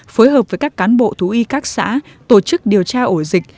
phối hợp với các cán bộ thú y các xã tổ chức điều tra ổ dịch